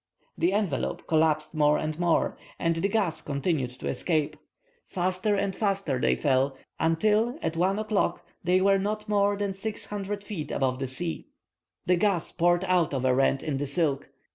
The envelope collapsed more and more, and the gas continued to escape. Faster and faster they fell, until at 1 o'clock they were not more than 600 feet above the sea. The gas poured out of a rent in the silk.